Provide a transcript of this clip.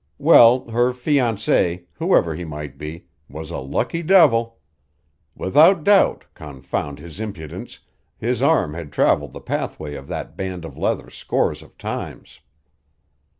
Well, her fiancé, whoever he might be, was a lucky devil! Without doubt, confound his impudence, his arm had traveled the pathway of that band of leather scores of times.